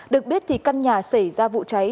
được biết thì căn nhà xảy ra vụ cháy